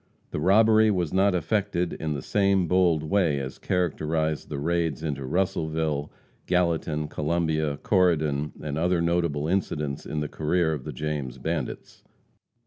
The robbery was not effected in the same bold way as characterized the raids into Russellville, Gallatin, Columbia, Corydon and other notable incidents in the career of the James bandits.